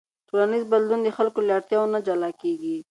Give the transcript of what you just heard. ټولنیز بدلون د خلکو له اړتیاوو نه جلا کېږي.